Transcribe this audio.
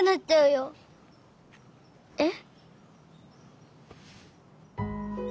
えっ？